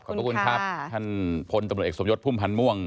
ขอบคุณครับท่านพลตำรวจเอกสมยศพุ่มพันธ์ม่วง